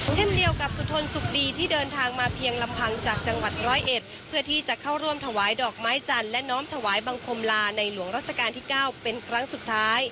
เช่นเดียวกับสุธนสุขดีที่เดินทางมาเพียงลำพังจากจังหวัดร้อยเอ็ดเพื่อที่จะเข้าร่วมถวายดอกไม้จันทร์และน้อมถวายบังคมลาในหลวงรัชกาลที่๙เป็นครั้งสุดท้าย